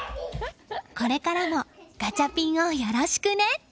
これからもガチャピンをよろしくね！